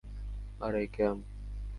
আরে, ক্যাম।